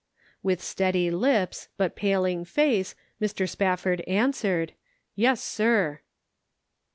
With steady lips, but paling face, Mr. Spaf ford answered : "Yes, sir."